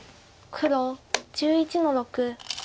黒１１の六。